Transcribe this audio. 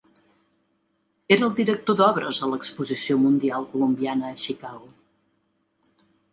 Era el director d'obres a l'exposició mundial colombiana a Chicago.